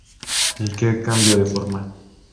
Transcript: Y que cambia de forma.